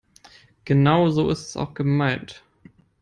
Genau so ist es auch gemeint.